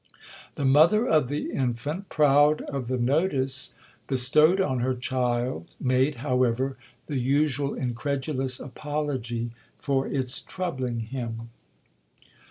The mother of the infant, proud of the notice bestowed on her child, made, however, the usual incredulous apology for its troubling him.